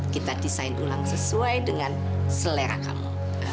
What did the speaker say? kita desain ulang sesuai dengan selera kamu